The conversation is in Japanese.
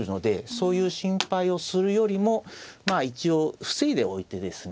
そういう心配をするよりも一応防いでおいてですね